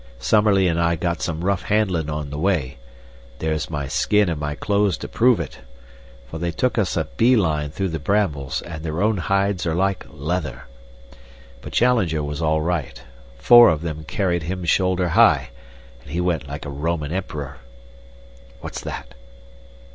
Summerlee and I got some rough handlin' on the way there's my skin and my clothes to prove it for they took us a bee line through the brambles, and their own hides are like leather. But Challenger was all right. Four of them carried him shoulder high, and he went like a Roman emperor. What's that?"